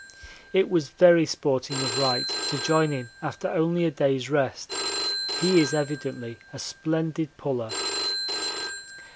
It was very sporting of Wright to join in after only a day's rest. He is evidently a splendid puller.